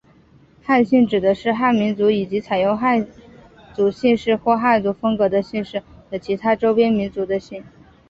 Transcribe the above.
汉姓指的是汉民族以及采用汉族姓氏或汉族风格的姓氏的其他周边民族的姓。